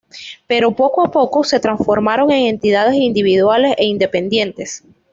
Pero poco a poco se transformaron en entidades individuales e independientes.